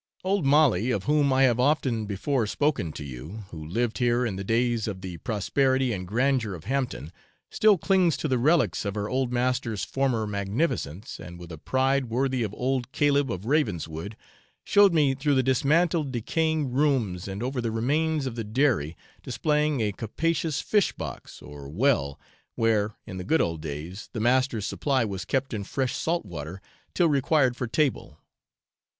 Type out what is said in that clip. Old Molly, of whom I have often before spoken to you, who lived here in the days of the prosperity and grandeur of 'Hampton,' still clings to the relics of her old master's former magnificence and with a pride worthy of old Caleb of Ravenswood showed me through the dismantled decaying rooms and over the remains of the dairy, displaying a capacious fish box or well, where, in the good old days, the master's supply was kept in fresh salt water till required for table.